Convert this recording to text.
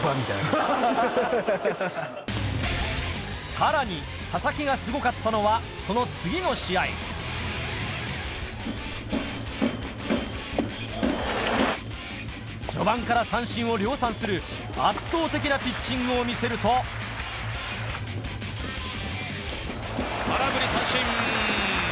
さらに佐々木がすごかったのはその次の試合序盤から三振を量産する圧倒的なピッチングを見せると空振り三振！